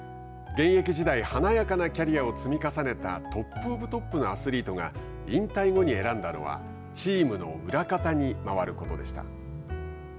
現役時代華やかなキャリアを積み重ねたトップ・オブ・トップのアスリートが引退後に選んだのはチームの裏方に回ることでした。